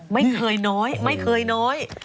ไม่เคยน้อยไม่เคยน้อย